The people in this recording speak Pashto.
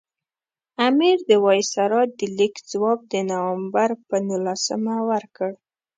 امیر د وایسرا د لیک ځواب د نومبر پر نولسمه ورکړ.